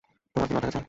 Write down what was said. তোমার কি মাথা গেছে?